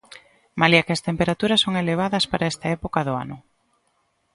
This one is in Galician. Malia que as temperaturas son elevadas para esta época do ano.